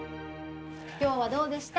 今日はどうでした？